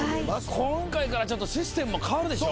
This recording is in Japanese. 今回からシステムも変わるでしょ。